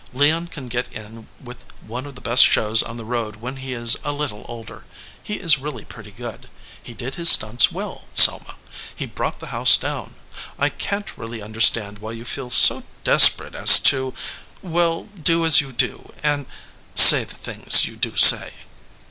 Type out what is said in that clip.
Leon can get in with one of the best shows on the road when he is a little older. He is really pretty good. He did his stunts well, Selma. He brought the house down. I can t really understand why you feel so desperate as to well, do as you do, and say the things you do say."